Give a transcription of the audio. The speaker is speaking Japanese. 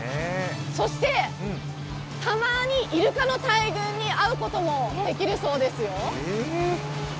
そして、たまにいるかの大群に合うこともできるそうですよ。